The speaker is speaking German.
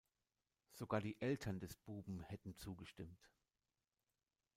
Sogar die Eltern des Buben hätten zugestimmt.